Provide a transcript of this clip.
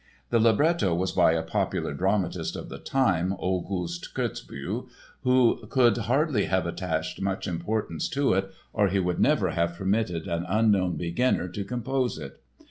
The libretto was by a popular dramatist of the time, August Kotzebue, who could hardly have attached much importance to it or he would never have permitted an unknown beginner to compose it.